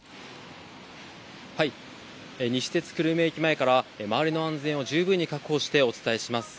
はい、西鉄久留米駅前から周りの安全を十分に確保してお伝えします。